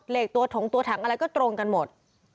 เลขตัวถงตัวถังอะไรก็ตรงกันหมด